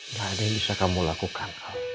gak ada yang bisa kamu lakukan